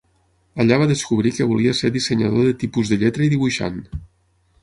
Allà va descobrir que volia ser dissenyador de tipus de lletra i dibuixant.